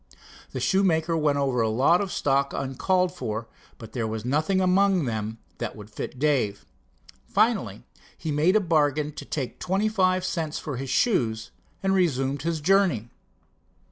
The shoemaker went over a lot of stock uncalled for, but there was nothing among them that would fit Dave. Finally he made a bargain to take twenty five cents for his shoes, and resumed his journey.